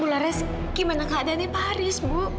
bu haris gimana keadaannya pak haris bu